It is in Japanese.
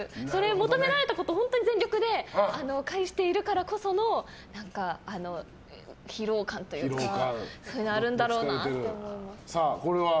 求められたことを全力で返しているからこその疲労感といいますかそういうのあるんだろうなと思う。